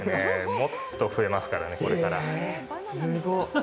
もっと増えますからねこれから。